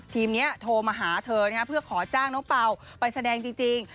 ทีมนี้โทรมาหาเธอเพื่อขอจ้างน้องเป่าไปแสดงจริง